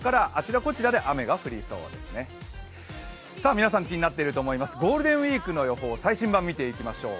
皆さん気になっていると思います、ゴールデンウイークの予報最新版を見ていきましょう。